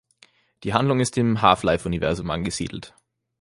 Die Handlung ist im Half-Life-Universum angesiedelt.